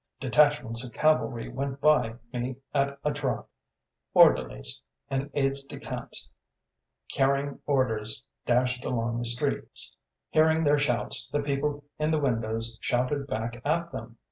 Detachments of cavalry went by me at a trot; orderlies and aides de camps carrying orders dashed along the streets. Hearing their shouts, the people in the windows shouted back at them.